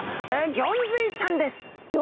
ギョンズイちゃん。